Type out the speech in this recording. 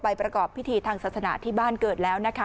ประกอบพิธีทางศาสนาที่บ้านเกิดแล้วนะคะ